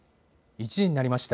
１時になりました。